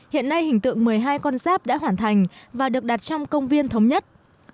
hiện nay hình tượng một mươi hai con giáp đã hoàn thành và được đặt trong công viên thống nhất